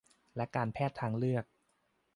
และการแพทย์ทางเลือก